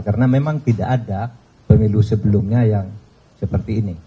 karena memang tidak ada pemilu sebelumnya yang seperti ini